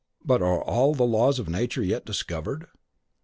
But are all the laws of Nature yet discovered?